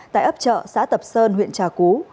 tại ấp chợ xã tập sơn huyện trà cú